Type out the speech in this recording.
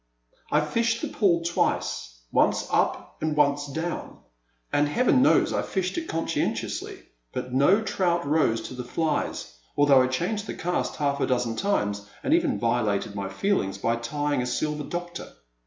I FISHED the pool twice, once up and once down, and heaven knows I fished it consci entiously ; but no trout rose to the flies, al though I changed the cast half a dozen times and even violated my feelings by tying a Silver Doctor.